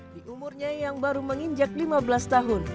di umurnya yang baru menginjak lima belas tahun